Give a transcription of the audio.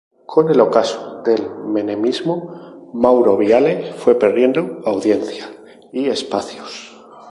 Con el ocaso del menemismo, Mauro Viale fue perdiendo audiencia y espacios.